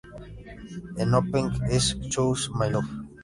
El opening es "Choose my love!